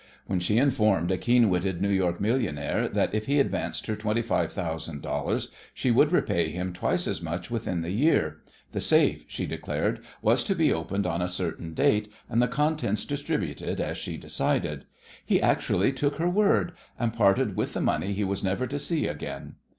When she informed a keen witted New York millionaire that if he advanced her twenty five thousand dollars she would repay him twice as much within the year the safe, she declared, was to be opened on a certain date, and the contents distributed as she decided he actually took her word, and parted with the money he was never to see again.